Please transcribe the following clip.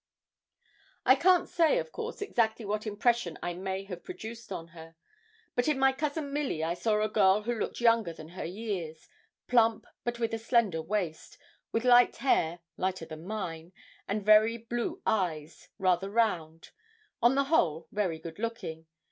I can't say, of course, exactly what impression I may have produced on her. But in my cousin Milly I saw a girl who looked younger than her years, plump, but with a slender waist, with light hair, lighter than mine, and very blue eyes, rather round; on the whole very good looking.